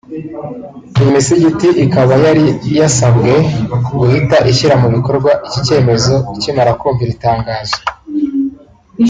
Iyi misigiti ikaba yari yasabwe guhita ishyira mu bikorwa icyi cyemezo ikimara kumva iri tangazo